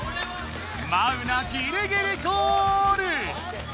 マウナギリギリゴール！